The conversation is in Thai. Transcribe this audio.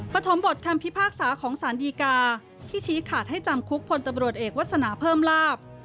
ปฐมบทคำพิพากษาของสารดีกาที่ชี้ขาดให้จำคุกพลตำรวจเอกวัฒนาเพิ่มลาบ